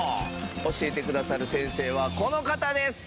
教えてくださる先生はこの方です。